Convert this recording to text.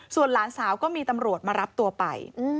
ส่วนหลานสาวก็มีตำรวจมารับตัวไป